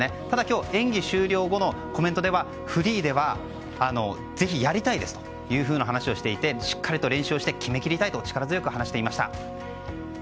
ただ、今日演技終了後のコメントではフリーでは、ぜひやりたいですと話をしていてしっかりと練習をして決めきりたいと力強く話していました。